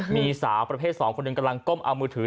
มีสาวประเภท๒คนหนึ่งกำลังก้มเอามือถือ